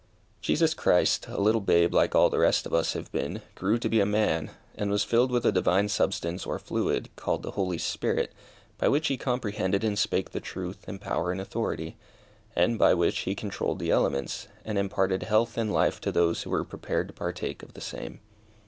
Jesus Christ, a little babe like all the rest of us have been, grew to be a man, was filled with a divine substance or fluid, called the Holy Spirit, by which he comprehended and spake the truth in power and authority; and by which he controlled the elements, and imparted health and life to those who were prepared to partake of the same.